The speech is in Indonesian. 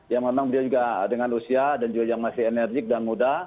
ya memang dia juga dengan usia dan juga yang masih enerjik dan muda